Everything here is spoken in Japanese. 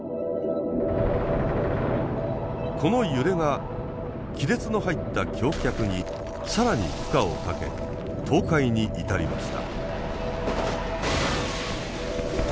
この揺れが亀裂の入った橋脚に更に負荷をかけ倒壊に至りました。